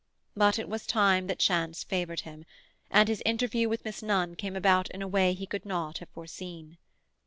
But it was time that chance favoured him, and his interview with Miss Nunn came about in a way he could not have foreseen.